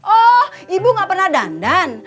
oh ibu gak pernah dandan